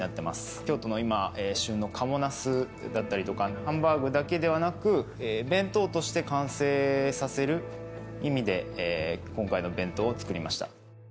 京都の今旬の賀茂なすだったりとかハンバーグだけではなく弁当として完成させる意味で今回の弁当を作りました